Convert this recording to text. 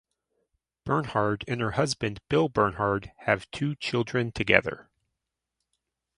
Bernhard and her husband Bill Bernhard have two children together.